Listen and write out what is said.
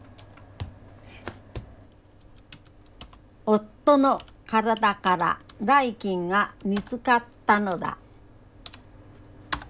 夫の体かららい菌が見つかったのだ。